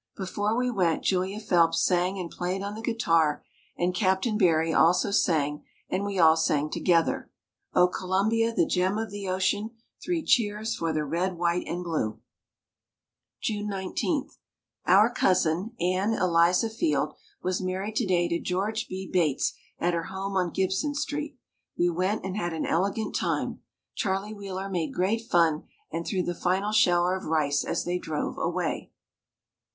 Before we went Julia Phelps sang and played on the guitar and Captain Barry also sang and we all sang together, "O! Columbia, the gem of the ocean, three cheers for the red, white and blue." June 19. Our cousin, Ann Eliza Field, was married to day to George B. Bates at her home on Gibson Street. We went and had an elegant time. Charlie Wheeler made great fun and threw the final shower of rice as they drove away.